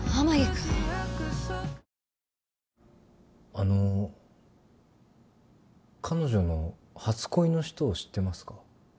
あの彼女の初恋の人を知ってますか。